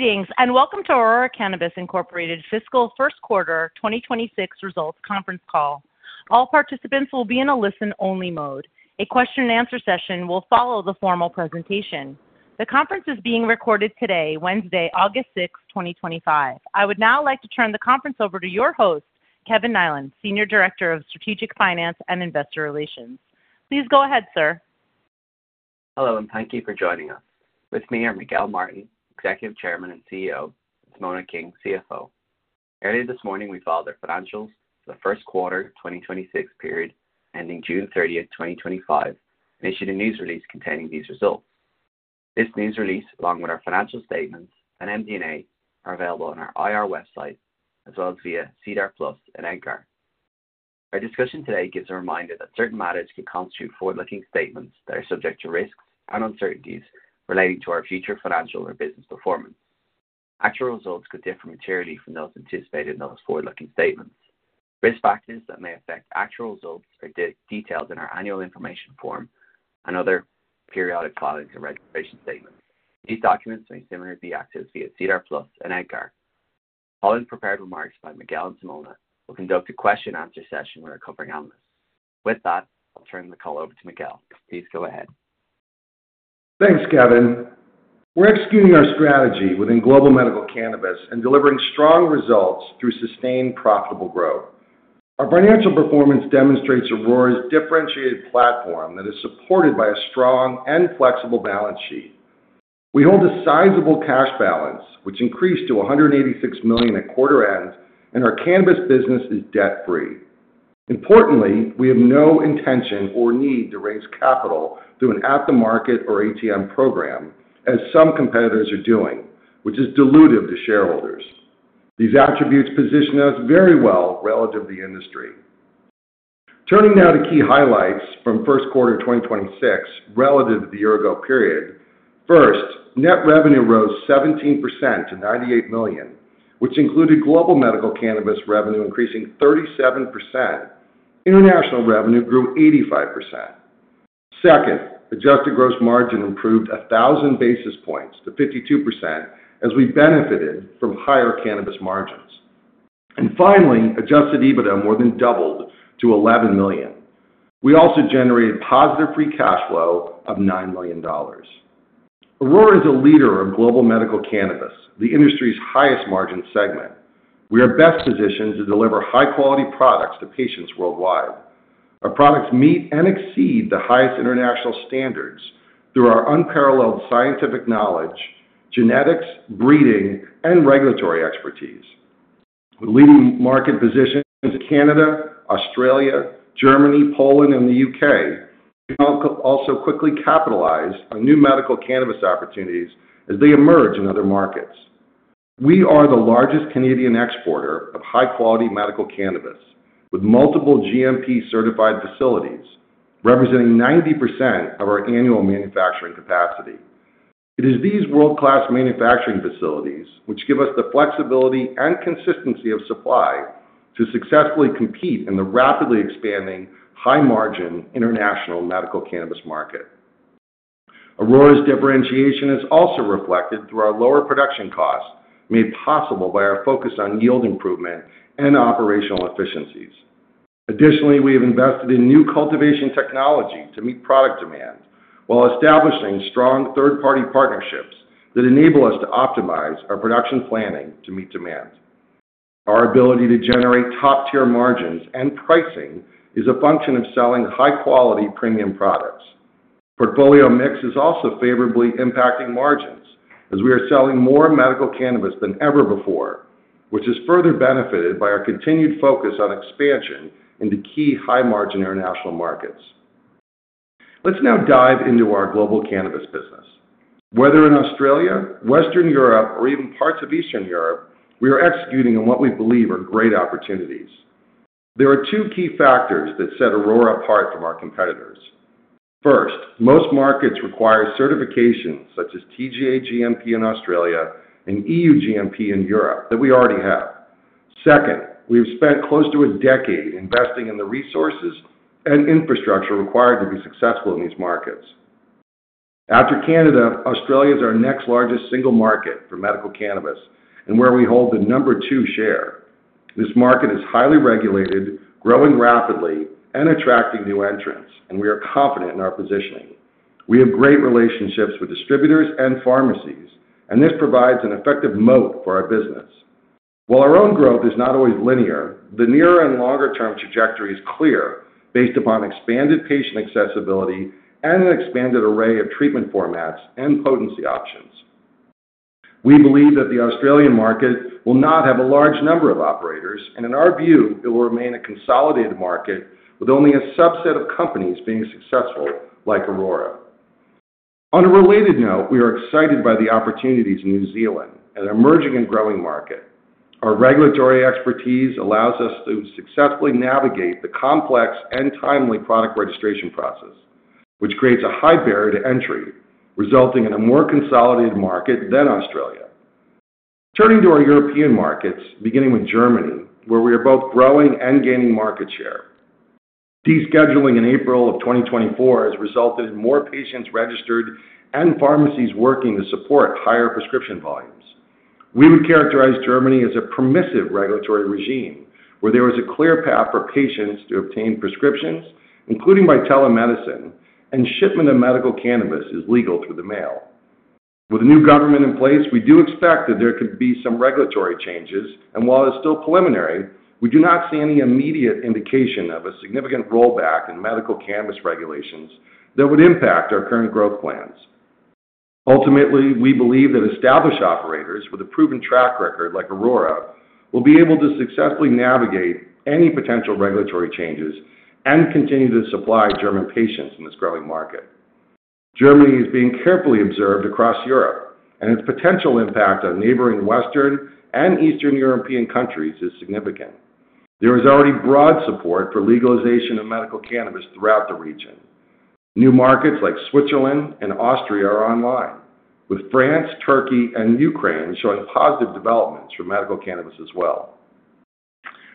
Greetings and welcome to Aurora Cannabis Incorporated's Fiscal First Quarter 2026 Results Conference Call. All participants will be in a listen-only mode. A question-and-answer session will follow the formal presentation. The conference is being recorded today, Wednesday, August 6th, 2025. I would now like to turn the conference over to your host, Kevin Niland, Senior Director of Strategic Finance and Investor Relations. Please go ahead, sir. Hello, and thank you for joining us. With me are Miguel Martin, Executive Chairman and CEO, and Simona King, CFO. Earlier this morning, we filed our financials for the first quarter of the 2026 period, ending June 30th, 2025, and issued a news release containing these results. This news release, along with our financial statements and MD&A, are available on our IR website, as well as via SEDAR+ and EDGAR. Our discussion today gives a reminder that certain matters can constitute forward-looking statements that are subject to risks and uncertainties relating to our future financial or business performance. Actual results could differ materially from those anticipated in those forward-looking statements. Risk factors that may affect actual results are detailed in our annual information form and other periodic filings and registration statements. These documents may similarly be accessed via SEDAR+ and EDGAR. Following prepared remarks by Miguel and Simona, we'll conduct a question-and-answer session with our covering analysts. With that, I'll turn the call over to Miguel. Please go ahead. Thanks, Kevin. We're executing our strategy within global medical cannabis and delivering strong results through sustained profitable growth. Our financial performance demonstrates Aurora's differentiated platform that is supported by a strong and flexible balance sheet. We hold a sizable cash balance, which increased to $186 million at quarter end, and our cannabis business is debt-free. Importantly, we have no intention or need to raise capital through an At The Market or ATM program, as some competitors are doing, which is dilutive to shareholders. These attributes position us very well relative to the industry. Turning now to key highlights from first quarter 2026 relative to the year-ago period. First, net revenue rose 17% to $98 million, which included global medical cannabis revenue increasing 37%. International revenue grew 85%. Second, adjusted gross margin improved 1,000 basis points to 52% as we benefited from higher cannabis margins. Finally, adjusted EBITDA more than doubled to $11 million. We also generated positive free cash flow of $9 million. Aurora is a leader of global medical cannabis, the industry's highest margin segment. We are best positioned to deliver high-quality products to patients worldwide. Our products meet and exceed the highest international standards through our unparalleled scientific knowledge, genetics, breeding, and regulatory expertise. With leading market positions in Canada, Australia, Germany, Poland, and the UK, we can also quickly capitalize on new medical cannabis opportunities as they emerge in other markets. We are the largest Canadian exporter of high-quality medical cannabis, with multiple GMP-certified facilities, representing 90% of our annual manufacturing capacity. It is these world-class manufacturing facilities which give us the flexibility and consistency of supply to successfully compete in the rapidly expanding high-margin international medical cannabis market. Aurora's differentiation is also reflected through our lower production costs, made possible by our focus on yield improvement and operational efficiencies. Additionally, we have invested in new cultivation technology to meet product demand, while establishing strong third-party partnerships that enable us to optimize our production planning to meet demand. Our ability to generate top-tier margins and pricing is a function of selling high-quality premium products. Portfolio mix is also favorably impacting margins, as we are selling more medical cannabis than ever before, which is further benefited by our continued focus on expansion into key high-margin international markets. Let's now dive into our global cannabis business. Whether in Australia, Western Europe, or even parts of Eastern Europe, we are executing on what we believe are great opportunities. There are two key factors that set Aurora apart from our competitors. First, most markets require certifications such as TGA GMP in Australia and EU GMP in Europe that we already have. Second, we have spent close to a decade investing in the resources and infrastructure required to be successful in these markets. After Canada, Australia is our next largest single market for medical cannabis and where we hold the number two share. This market is highly regulated, growing rapidly, and attracting new entrants, and we are confident in our positioning. We have great relationships with distributors and pharmacies, and this provides an effective moat for our business. While our own growth is not always linear, the nearer and longer-term trajectory is clear based upon expanded patient accessibility and an expanded array of treatment formats and potency options. We believe that the Australian market will not have a large number of operators, and in our view, it will remain a consolidated market with only a subset of companies being successful like Aurora. On a related note, we are excited by the opportunities in New Zealand, an emerging and growing market. Our regulatory expertise allows us to successfully navigate the complex and timely product registration process, which creates a high barrier to entry, resulting in a more consolidated market than Australia. Turning to our European markets, beginning with Germany, where we are both growing and gaining market share. Descheduling in April of 2024 has resulted in more patients registered and pharmacies working to support higher prescription volumes. We would characterize Germany as a permissive regulatory regime, where there is a clear path for patients to obtain prescriptions, including by telemedicine, and shipment of medical cannabis is legal through the mail. With a new government in place, we do expect that there could be some regulatory changes, and while it's still preliminary, we do not see any immediate indication of a significant rollback in medical cannabis regulations that would impact our current growth plans. Ultimately, we believe that established operators with a proven track record like Aurora will be able to successfully navigate any potential regulatory changes and continue to supply German patients in this growing market. Germany is being carefully observed across Europe, and its potential impact on neighboring Western and Eastern European countries is significant. There is already broad support for legalization of medical cannabis throughout the region. New markets like Switzerland and Austria are online, with France, Turkey, and Ukraine showing positive developments for medical cannabis as well.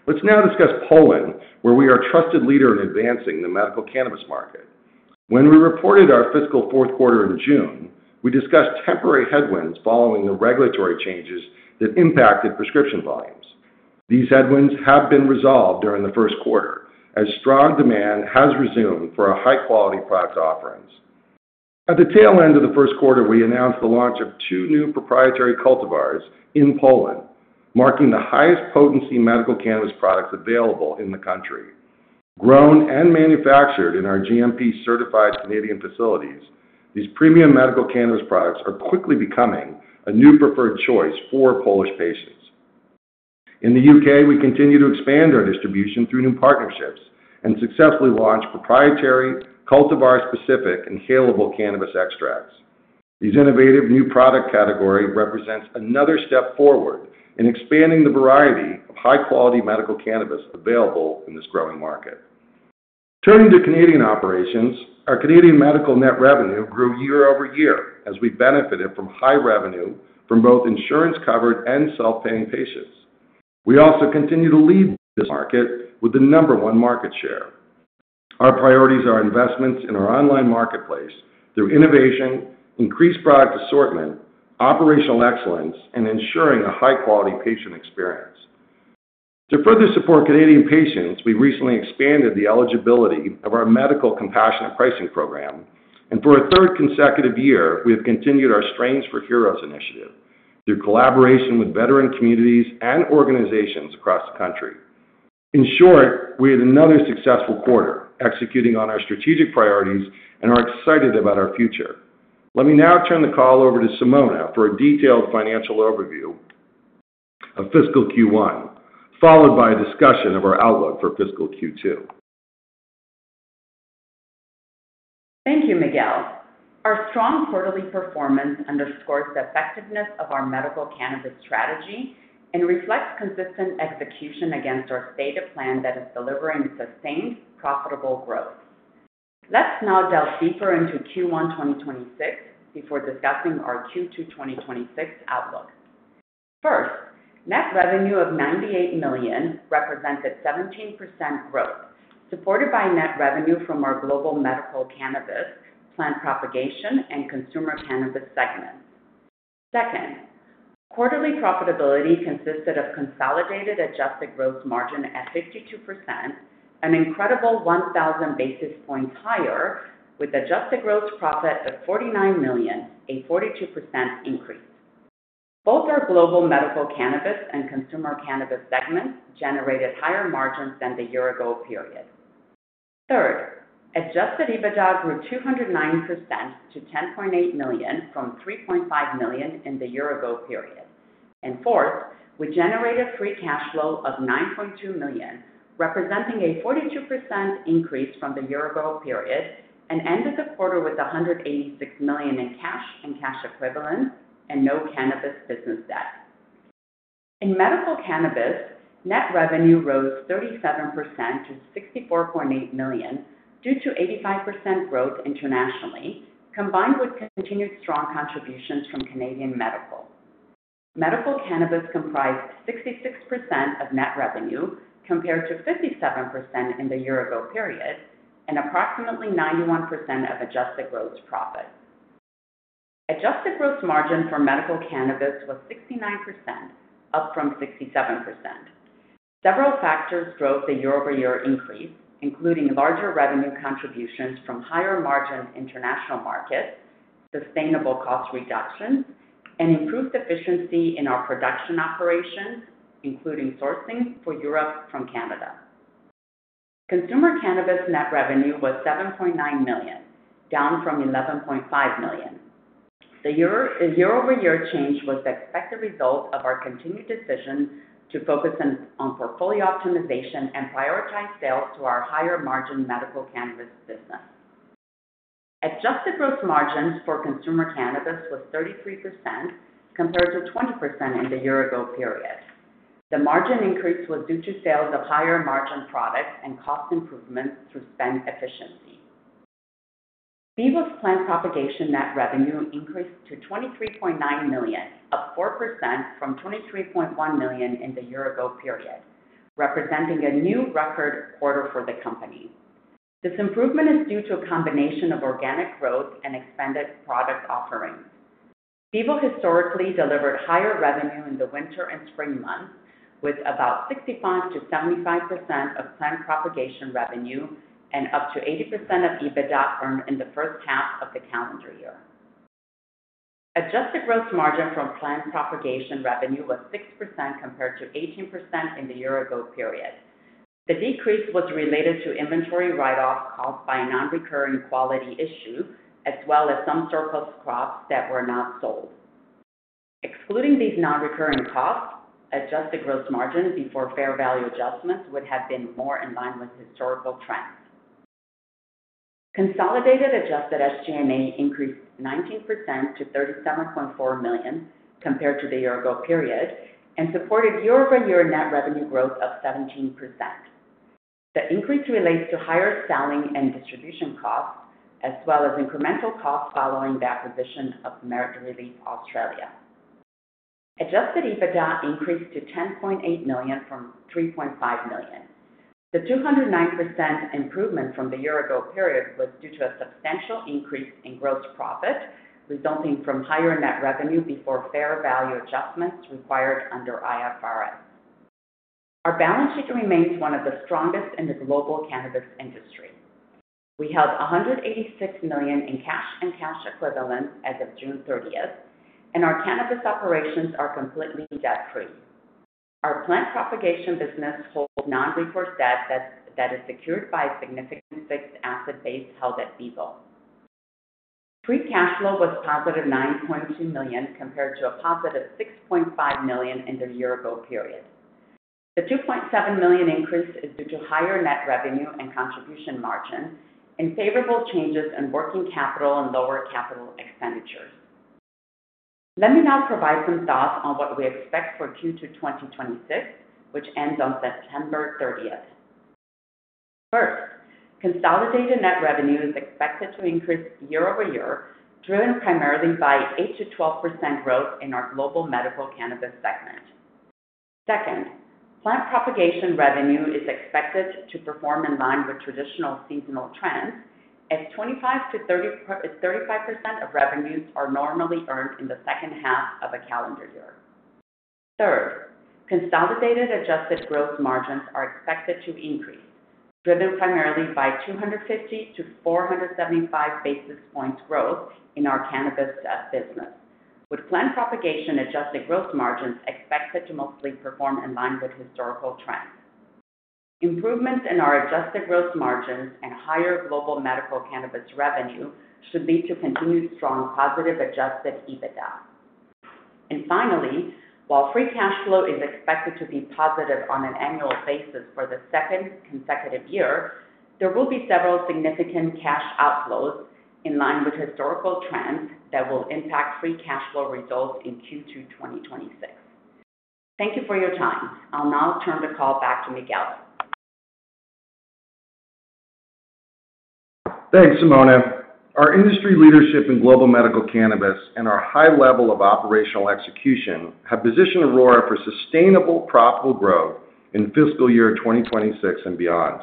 Let's now discuss Poland, where we are a trusted leader in advancing the medical cannabis market. When we reported our fiscal fourth quarter in June, we discussed temporary headwinds following the regulatory changes that impacted prescription volumes. These headwinds have been resolved during the first quarter, as strong demand has resumed for our high-quality product offerings. At the tail end of the first quarter, we announced the launch of two new proprietary high-potency cultivars in Poland, marking the highest potency medical cannabis products available in the country. Grown and manufactured in our GMP-certified Canadian facilities, these premium medical cannabis products are quickly becoming a new preferred choice for Polish patients. In the UK, we continue to expand our distribution through new partnerships and successfully launch proprietary cultivar-specific inhalable extracts. This innovative new product category represents another step forward in expanding the variety of high-quality medical cannabis available in this growing market. Turning to Canadian operations, our Canadian medical net revenue grew year-over-year as we benefited from high revenue from both insurance-covered and self-paying patients. We also continue to lead this market with the number one market share. Our priorities are investments in our online marketplace through innovation, increased product assortment, operational excellence, and ensuring a high-quality patient experience. To further support Canadian patients, we recently expanded the eligibility of our medical compassionate pricing program, and for a third consecutive year, we have continued our Strains for Heroes initiative through collaboration with veteran communities and organizations across the country. In short, we had another successful quarter executing on our strategic priorities and are excited about our future. Let me now turn the call over to Simona for a detailed financial overview of fiscal Q1, followed by a discussion of our outlook for fiscal Q2. Thank you, Miguel. Our strong quarterly performance underscores the effectiveness of our medical cannabis strategy and reflects consistent execution against our stated plan that is delivering sustained, profitable growth. Let's now delve deeper into Q1 2026 before discussing our Q2 2026 outlook. First, net revenue of $98 million represented 17% growth, supported by net revenue from our global medical cannabis, plant propagation, and consumer cannabis segments. Second, quarterly profitability consisted of consolidated adjusted gross margin at 52%, an incredible 1,000 basis points higher, with adjusted gross profit at $49 million, a 42% increase. Both our global medical cannabis and consumer cannabis segments generated higher margins than the year-ago period. Third, adjusted EBITDA grew 209% to $10.8 million from $3.5 million in the year-ago period. Fourth, we generated free cash flow of $9.2 million, representing a 42% increase from the year-ago period, and ended the quarter with $186 million in cash and cash equivalent and no cannabis business debt. In medical cannabis, net revenue rose 37% to $64.8 million due to 85% growth internationally, combined with continued strong contributions from Canadian medical. Medical cannabis comprised 66% of net revenue compared to 57% in the year-ago period and approximately 91% of adjusted gross profit. Adjusted gross margin for medical cannabis was 69%, up from 67%. Several factors drove the year-over-year increase, including larger revenue contributions from higher margin international markets, sustainable cost reductions, and improved efficiency in our production operations, including sourcing for Europe from Canada. Consumer cannabis net revenue was $7.9 million, down from $11.5 million. The year-over-year change was the expected result of our continued decision to focus on portfolio optimization and prioritize sales to our higher margin medical cannabis business. Adjusted gross margin for consumer cannabis was 33% compared to 20% in the year-ago period. The margin increase was due to sales of higher margin products and cost improvements to spend efficiency. Bevo's plant propagation net revenue increased to $23.9 million, up 4% from $23.1 million in the year-ago period, representing a new record quarter for the company. This improvement is due to a combination of organic growth and expanded product offerings. Bevo historically delivered higher revenue in the winter and spring months, with about 65%-75% of plant propagation revenue and up to 80% of EBITDA earned in the first half of the calendar year. Adjusted gross margin from plant propagation revenue was 6% compared to 18% in the year-ago period. The decrease was related to inventory write-offs caused by non-recurring quality issues, as well as some surplus crops that were not sold. Excluding these non-recurring costs, adjusted gross margins before fair value adjustments would have been more in line with historical trends. Consolidated adjusted SG&A increased 19% to $37.4 million compared to the year-ago period and supported year-over-year net revenue growth of 17%. The increase relates to higher selling and distribution costs, as well as incremental costs following the acquisition of MedReleaf Australia. Adjusted EBITDA increased to $10.8 million from $3.5 million. The 209% improvement from the year-ago period was due to a substantial increase in gross profit resulting from higher net revenue before fair value adjustments required under IFRS. Our balance sheet remains one of the strongest in the global cannabis industry. We held $186 million in cash and cash equivalents as of June 30th, and our cannabis operations are completely debt-free. Our plant propagation business holds non-recourse debt that is secured by a significant fixed asset base held at Bevo. Free cash flow was +$9.2 million compared to a +$6.5 million in the year-ago period. The $2.7 million increase is due to higher net revenue and contribution margin and favorable changes in working capital and lower capital expenditures. Let me now provide some thoughts on what we expect for Q2 2026, which ends on September 30th. First, consolidated net revenue is expected to increase year-over-year, driven primarily by 8%-12% growth in our global medical cannabis segment. Second, plant propagation revenue is expected to perform in line with traditional seasonal trends, as 25%-35% of revenues are normally earned in the second half of a calendar year. Third, consolidated adjusted gross margins are expected to increase, driven primarily by 250-475 basis points growth in our cannabis business, with plant propagation adjusted gross margins expected to mostly perform in line with historical trends. Improvements in our adjusted gross margins and higher global medical cannabis revenue should lead to continued strong positive adjusted EBITDA. Finally, while free cash flow is expected to be positive on an annual basis for the second consecutive year, there will be several significant cash outflows in line with historical trends that will impact free cash flow results in Q2 2026. Thank you for your time. I'll now turn the call back to Miguel. Thanks, Simona. Our industry leadership in global medical cannabis and our high level of operational execution have positioned Aurora for sustainable, profitable growth in fiscal year 2026 and beyond.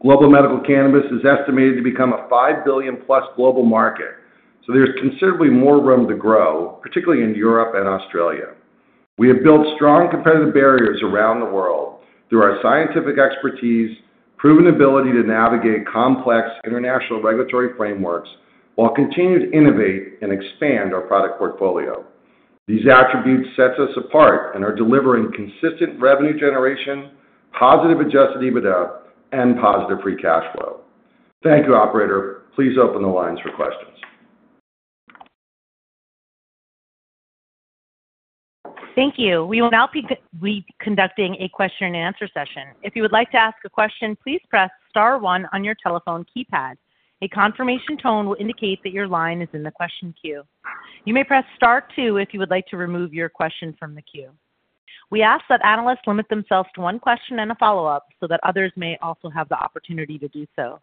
Global medical cannabis is estimated to become a $5 billion+ global market, so there's considerably more room to grow, particularly in Europe and Australia. We have built strong competitive barriers around the world through our scientific expertise, proven ability to navigate complex international regulatory frameworks, while continuing to innovate and expand our product portfolio. These attributes set us apart and are delivering consistent revenue generation, positive adjusted EBITDA, and positive free cash flow. Thank you, operator. Please open the lines for questions. Thank you. We will now be conducting a question-and-answer session. If you would like to ask a question, please press star one on your telephone keypad. A confirmation tone will indicate that your line is in the question queue. You may press star two if you would like to remove your question from the queue. We ask that analysts limit themselves to one question and a follow-up so that others may also have the opportunity to do so.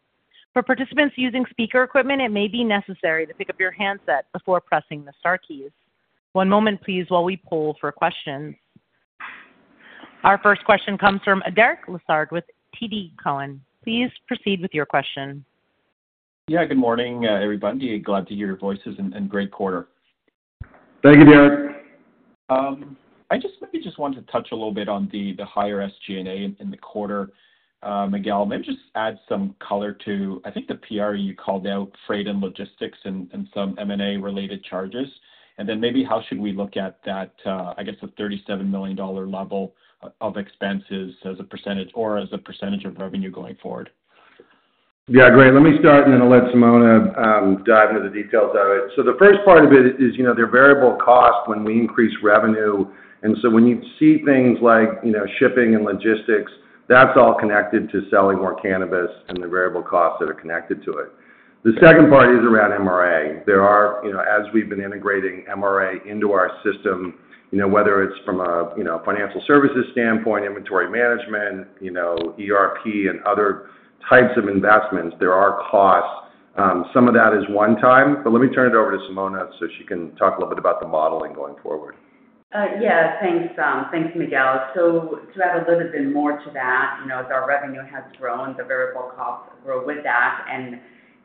For participants using speaker equipment, it may be necessary to pick up your handset before pressing the star keys. One moment, please, while we poll for questions. Our first question comes from Derek Lessard with TD Cowen. Please proceed with your question. Good morning, everybody. Glad to hear your voices and great quarter. Thank you, Derek. I just wanted to touch a little bit on the higher SG&A in the quarter, Miguel. Maybe just add some color to, I think, the PR you called out, freight and logistics and some M&A related charges. How should we look at that, the $37 million level of expenses as a percentage or as a percentage of revenue going forward? Yeah, great. Let me start and then I'll let Simona dive into the details of it. The first part of it is, you know, there are variable costs when we increase revenue. When you see things like, you know, shipping and logistics, that's all connected to selling more cannabis and the variable costs that are connected to it. The second part is around MRA. There are, you know, as we've been integrating MRA into our system, whether it's from a, you know, financial services standpoint, inventory management, ERP, and other types of investments, there are costs. Some of that is one-time, but let me turn it over to Simona so she can talk a little bit about the modeling going forward. Yeah, thanks, thanks, Miguel. To add a little bit more to that, as our revenue has grown, the variable costs grow with that.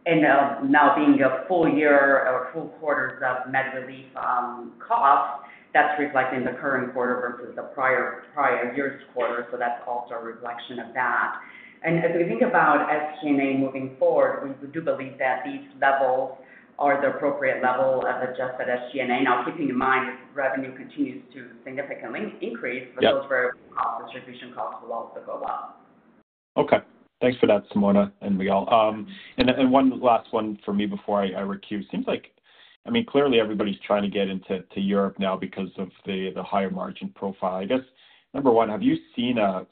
Now being a full year or full quarter of MedReleaf Australia costs, that's reflecting the current quarter versus the prior year's quarter. That's also a reflection of that. As we think about SG&A moving forward, we do believe that these levels are the appropriate level of adjusted SG&A. Keeping in mind if revenue continues to significantly increase, those variable costs, distribution costs will also go up. Okay, thanks for that, Simona and Miguel. One last one for me before I recue. Seems like, I mean, clearly everybody's trying to get into Europe now because of the higher margin profile. I guess, number one, have you seen a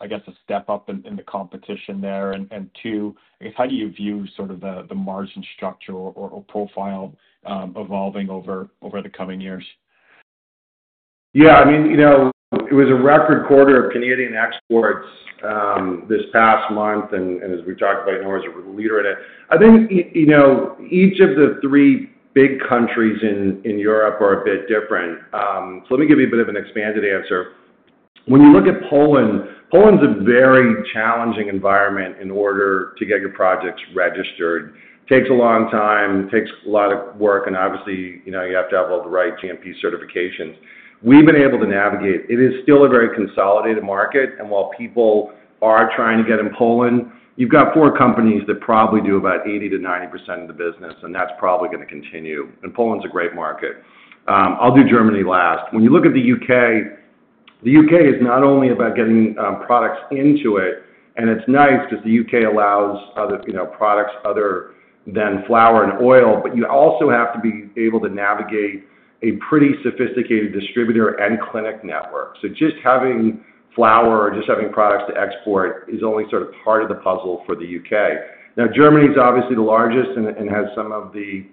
step up in the competition there? Two, how do you view sort of the margin structure or profile evolving over the coming years? Yeah, I mean, it was a record quarter of Canadian exports this past month. As we've talked about, Aurora is a leader in it. I think each of the three big countries in Europe are a bit different. Let me give you a bit of an expanded answer. When you look at Poland, Poland's a very challenging environment in order to get your projects registered. It takes a long time, takes a lot of work, and obviously you have to have all the right GMP certifications. We've been able to navigate. It is still a very consolidated market. While people are trying to get in Poland, you've got four companies that probably do about 80%-90% of the business, and that's probably going to continue. Poland's a great market. I'll do Germany last. When you look at the UK, the UK is not only about getting products into it, and it's nice because the UK allows other products other than flower and oil, but you also have to be able to navigate a pretty sophisticated distributor and clinic network. Just having flower or just having products to export is only sort of part of the puzzle for the UK. Now, Germany's obviously the largest and has some of the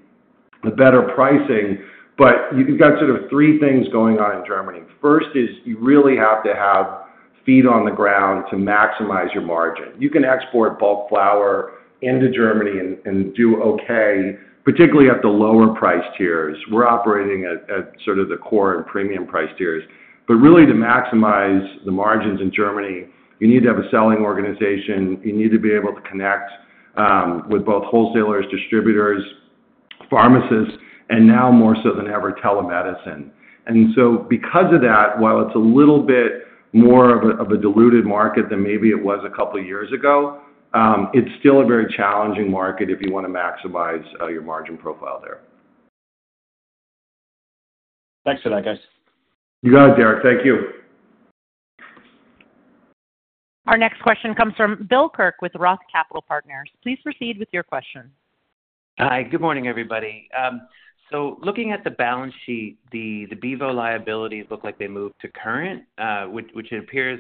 better pricing, but you've got sort of three things going on in Germany. First is you really have to have feet on the ground to maximize your margin. You can export bulk flower into Germany and do okay, particularly at the lower price tiers. We're operating at sort of the core and premium price tiers. Really, to maximize the margins in Germany, you need to have a selling organization. You need to be able to connect with both wholesalers, distributors, pharmacists, and now more so than ever, telemedicine. Because of that, while it's a little bit more of a diluted market than maybe it was a couple of years ago, it's still a very challenging market if you want to maximize your margin profile there. Thanks for that, guys. You got it, Derek. Thank you. Our next question comes from Bill Kirk with ROTH Capital Partners. Please proceed with your question. Hi, good morning, everybody. Looking at the balance sheet, the Bevo liabilities look like they moved to current, which appears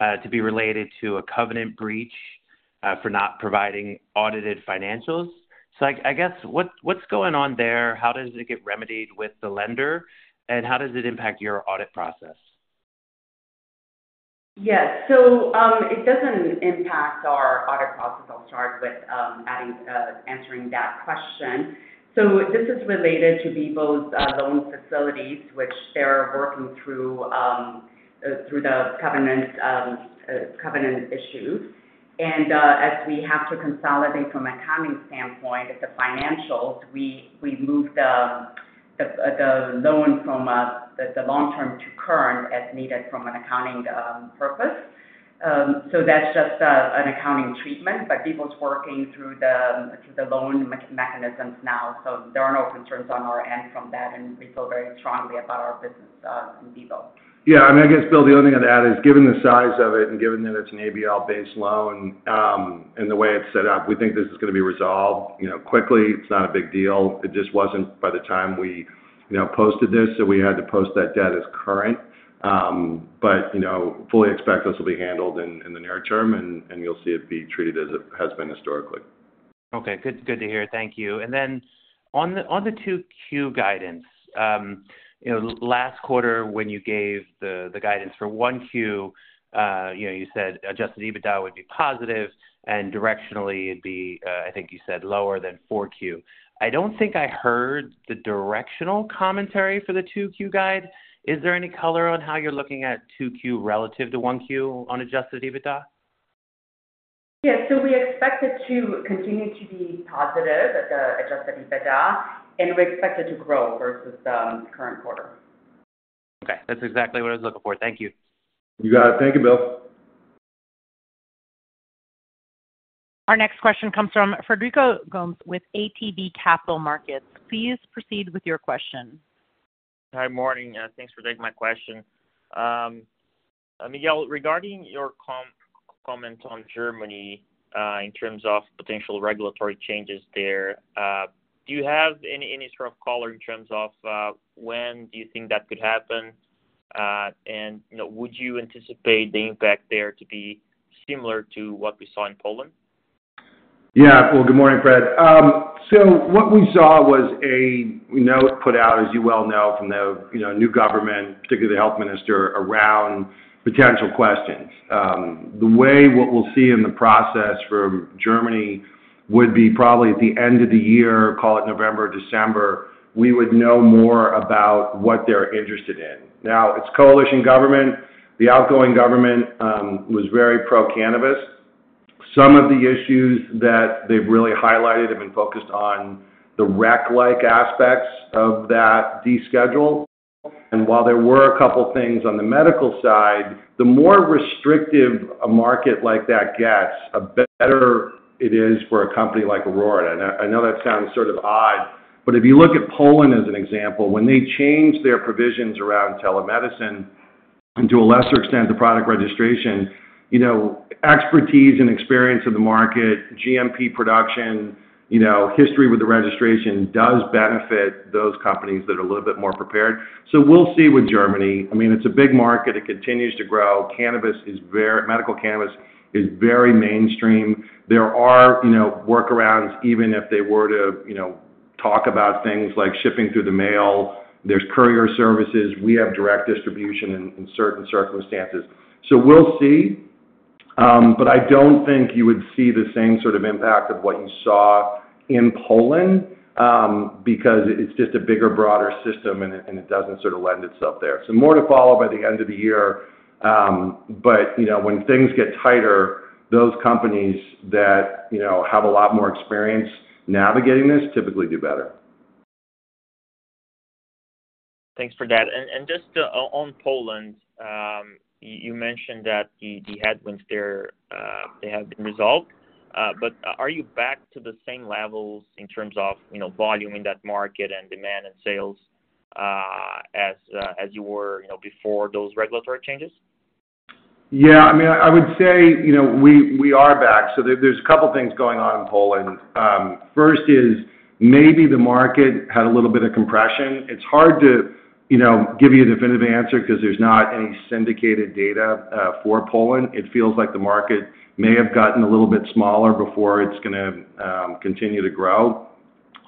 to be related to a covenant breach for not providing audited financials. What's going on there? How does it get remedied with the lender? How does it impact your audit process? Yes, it doesn't impact our audit process. I'll start with answering that question. This is related to Bevo's loan facilities, which they're working through the covenant issues. As we have to consolidate from an accounting standpoint, the financials, we moved the loan from the long-term to current as needed from an accounting purpose. That's just an accounting treatment. Bevo is working through the loan mechanisms now. There are no concerns on our end from that, and we feel very strongly about our business with Bevo. Yeah, I mean, I guess, Bill, the only thing I'd add is given the size of it and given that it's an ABL-based loan and the way it's set up, we think this is going to be resolved quickly. It's not a big deal. It just wasn't by the time we posted this. We had to post that debt as current. We fully expect this will be handled in the near term. You'll see it be treated as it has been historically. Okay, good to hear. Thank you. On the 2Q guidance, last quarter, when you gave the guidance for 1Q, you said adjusted EBITDA would be positive, and directionally, it'd be, I think you said, lower than 4Q. I don't think I heard the directional commentary for the 2Q guide. Is there any color on how you're looking at 2Q relative to 1Q on adjusted EBITDA? Yes, we expect 2Q continue to be positive at the adjusted EBITDA, and we expect it to grow versus the current quarter. Okay, that's exactly what I was looking for. Thank you. You got it. Thank you, Bill. Our next question comes from Frederico Gomes with ATB Capital Markets. Please proceed with your question. Hi, good morning. Thanks for taking my question. Miguel, regarding your comments on Germany in terms of potential regulatory changes there, do you have any sort of color in terms of when you think that could happen? Would you anticipate the impact there to be similar to what we saw in Poland? Good morning, Fred. What we saw was a note put out, as you well know, from the new government, particularly the health minister, around potential questions. The way what we'll see in the process from Germany would be probably at the end of the year, call it November, December, we would know more about what they're interested in. Now, it's a coalition government. The outgoing government was very pro-cannabis. Some of the issues that they've really highlighted have been focused on the rec-like aspects of that Deschedule. While there were a couple of things on the medical side, the more restrictive a market like that gets, the better it is for a company like Aurora. I know that sounds sort of odd, but if you look at Poland as an example, when they changed their provisions around telemedicine and to a lesser extent the product registration, expertise and experience in the market, GMP production, history with the registration does benefit those companies that are a little bit more prepared. We'll see with Germany. It's a big market. It continues to grow. Cannabis is very, medical cannabis is very mainstream. There are workarounds, even if they were to talk about things like shipping through the mail. There's courier services. We have direct distribution in certain circumstances. I don't think you would see the same sort of impact of what you saw in Poland because it's just a bigger, broader system, and it doesn't sort of lend itself there. More to follow by the end of the year. When things get tighter, those companies that have a lot more experience navigating this typically do better. Thanks for that. Just on Poland, you mentioned that the headwinds there have been resolved. Are you back to the same levels in terms of volume in that market and demand and sales as you were before those regulatory changes? Yeah, I mean, I would say we are back. There are a couple of things going on in Poland. First is maybe the market had a little bit of compression. It's hard to give you a definitive answer because there's not any syndicated data for Poland. It feels like the market may have gotten a little bit smaller before it's going to continue to grow.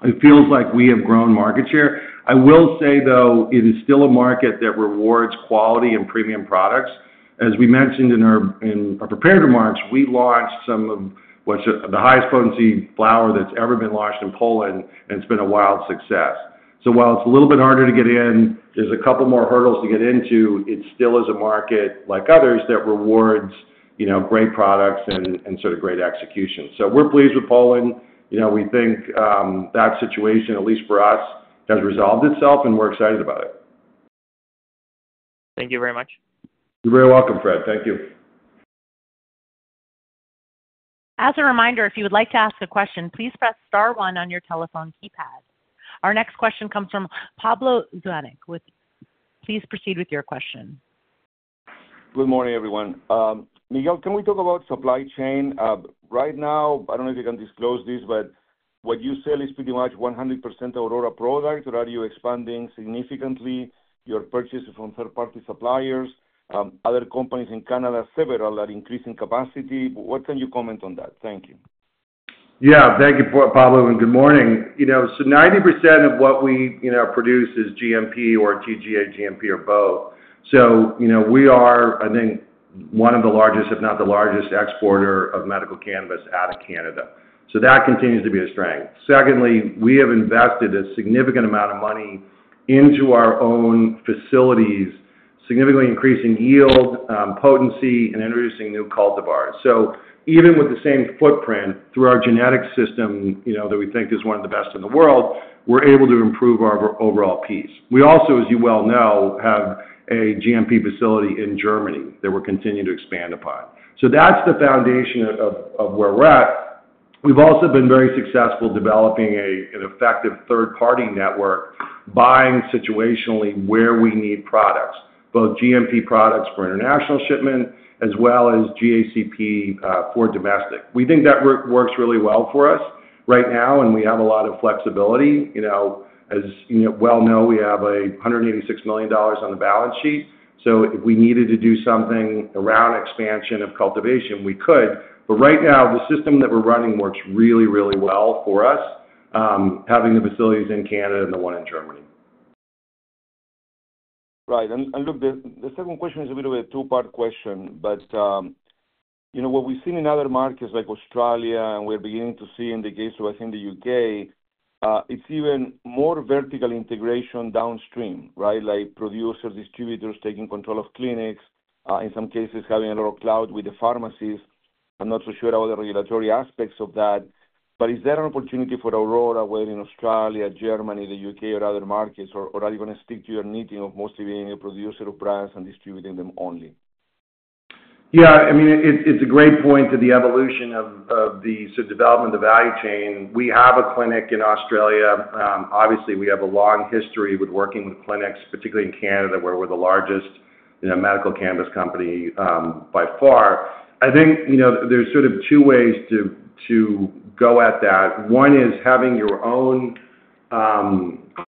It feels like we have grown market share. I will say, though, it is still a market that rewards quality and premium products. As we mentioned in our prepared remarks, we launched some of what's the highest potency flower that's ever been launched in Poland, and it's been a wild success. While it's a little bit harder to get in, there are a couple more hurdles to get into, it still is a market like others that rewards great products and sort of great execution. We're pleased with Poland. We think that situation, at least for us, has resolved itself, and we're excited about it. Thank you very much. You're very welcome, Fred. Thank you. As a reminder, if you would like to ask a question, please press star one on your telephone keypad. Our next question comes from Pablo Zuanic. Please proceed with your question. Good morning, everyone. Miguel, can we talk about supply chain? Right now, I don't know if you can disclose this, but what you sell is pretty much 100% Aurora product, or are you expanding significantly? You're purchasing from third-party suppliers. Other companies in Canada, several, are increasing capacity. What can you comment on that? Thank you. Thank you for it, Pablo, and good morning. You know, 90% of what we produce is GMP or TGA GMP or both. We are, I think, one of the largest, if not the largest, exporter of medical cannabis out of Canada. That continues to be a strength. Secondly, we have invested a significant amount of money into our own facilities, significantly increasing yield, potency, and introducing new cultivars. Even with the same footprint through our genetics system that we think is one of the best in the world, we're able to improve our overall piece. We also, as you well know, have a GMP facility in Germany that we're continuing to expand upon. That's the foundation of where we're at. We've also been very successful developing an effective third-party network, buying situationally where we need products, both GMP products for international shipment as well as GACP for domestic. We think that works really well for us right now, and we have a lot of flexibility. As you well know, we have $186 million on the balance sheet. If we needed to do something around expansion of cultivation, we could. Right now, the system that we're running works really, really well for us, having the facilities in Canada and the one in Germany. Right. The second question is a little bit of a two-part question, but you know, what we've seen in other markets like Australia, and we're beginning to see in the case of, I think, the UK, it's even more vertical integration downstream, right? Like producers, distributors, taking control of clinics, in some cases having a lot of clout with the pharmacies. I'm not so sure about the regulatory aspects of that. Is that an opportunity for Aurora when in Australia, Germany, the UK, or other markets, or are you going to stick to your need of mostly being a producer of brands and distributing them only? Yeah, I mean, it's a great point to the evolution of the sort of development of the value chain. We have a clinic in Australia. Obviously, we have a long history with working with clinics, particularly in Canada, where we're the largest medical cannabis company by far. I think there's sort of two ways to go at that. One is having your own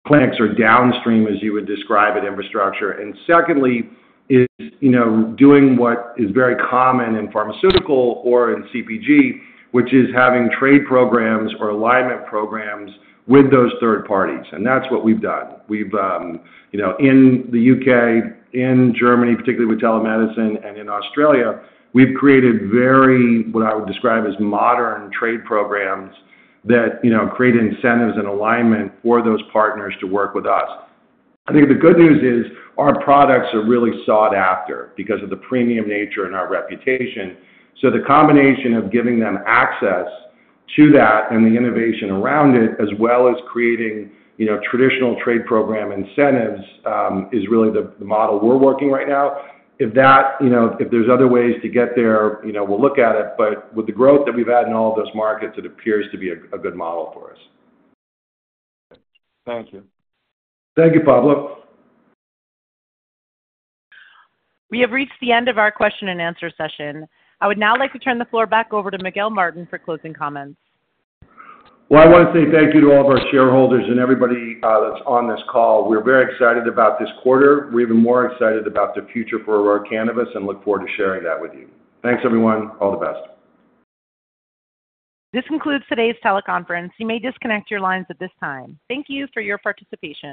clinics or downstream, as you would describe it, infrastructure. Secondly, it's doing what is very common in pharmaceutical or in CPG, which is having trade programs or alignment programs with those third parties. That's what we've done. In the UK, in Germany, particularly with telemedicine, and in Australia, we've created very, what I would describe as modern trade programs that create incentives and alignment for those partners to work with us. I think the good news is our products are really sought after because of the premium nature and our reputation. The combination of giving them access to that and the innovation around it, as well as creating traditional trade program incentives, is really the model we're working right now. If there's other ways to get there, we'll look at it. With the growth that we've had in all of those markets, it appears to be a good model for us. Thank you. Thank you, Pablo. We have reached the end of our question-and-answer session. I would now like to turn the floor back over to Miguel Martin for closing comments. I want to say thank you to all of our shareholders and everybody that's on this call. We're very excited about this quarter. We're even more excited about the future for Aurora Cannabis and look forward to sharing that with you. Thanks, everyone. All the best. This concludes today's Teleconference. You may disconnect your lines at this time. Thank you for your participation.